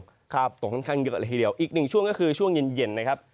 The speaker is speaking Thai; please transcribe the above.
ตกค่อนข้างเยอะละทีเดียวอีกหนึ่งช่วงก็คือช่วงเย็นเย็นนะครับ